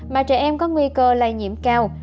mà trẻ em có nguy cơ lây nhiễm cao